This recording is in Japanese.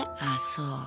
あそう。